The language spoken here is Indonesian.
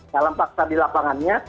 dalam fakta di lapangannya